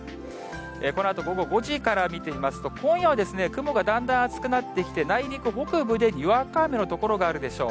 このあと、午後５時から見てみますと、今夜は雲がだんだん厚くなってきて、内陸、北部でにわか雨の所があるでしょう。